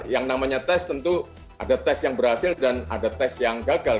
yang namanya tes tentu ada tes yang berhasil dan ada tes yang gagal